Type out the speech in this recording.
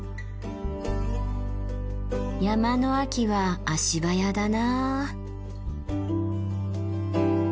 山の秋は足早だなあ。